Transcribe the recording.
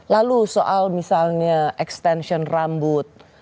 lalu soal misalnya extension rambut